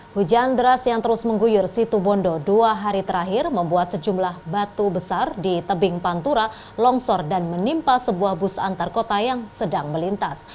hujan deras yang terus mengguyur situbondo dua hari terakhir membuat sejumlah batu besar di tebing pantura longsor dan menimpa sebuah bus antar kota yang sedang melintas